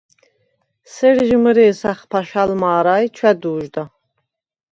სერ ჟი მჷრე̄ს ა̈ხფა̈შ ალ მა̄რა ი ჩვა̈თუ̄ჟდა.